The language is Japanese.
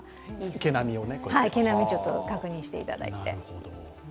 毛並みを確認していただいて。